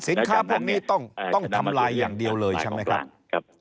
พวกนี้ต้องทำลายอย่างเดียวเลยใช่ไหมครับ